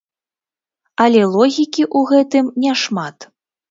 Але логікі ў гэтым няшмат.